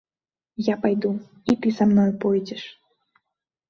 Я пайду, і ты са мною пойдзеш!